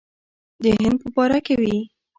د هند په باره کې وې.